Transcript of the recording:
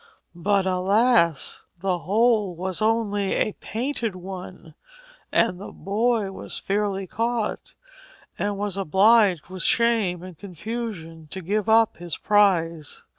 But, alas! the hole was only a painted one, and the boy was fairly caught, and was obliged with shame and confusion to give up his prize.